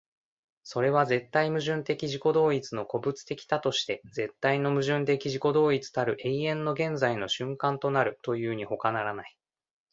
それは絶対矛盾的自己同一の個物的多として絶対の矛盾的自己同一たる永遠の現在の瞬間となるというにほかならない。